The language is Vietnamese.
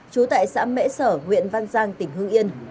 trú tại xã mễ sở huyện văn giang tỉnh hưng yên